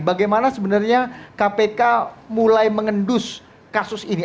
bagaimana sebenarnya kpk mulai mengendus kasus ini